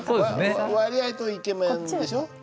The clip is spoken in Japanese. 割合とイケメンでしょ？